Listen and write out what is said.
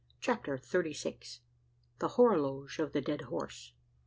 CHAPTER THIRTY SIX. THE HOROLOGE OF THE DEAD HORSE.